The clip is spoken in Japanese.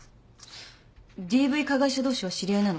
ＤＶ加害者同士は知り合いなの？